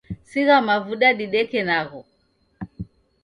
Sigha mavuda dideke nagho